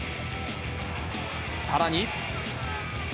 さらに。